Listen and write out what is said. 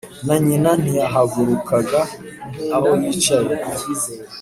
na nyina ntiyahagurukaga aho yicaye